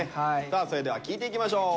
さあそれでは聞いていきましょう。